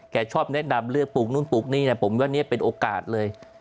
ชอบแนะนำเลือกปลูกนู่นปลูกนี่นะผมว่านี่เป็นโอกาสเลย